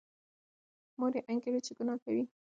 مور یې انګېري چې ګناه کوي.